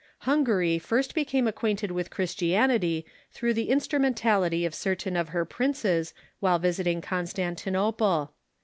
Hungary first became acquainted with Christianity through the instrumentality of certain of her princes while visiting NEW MISSIONS 143 Constantinople.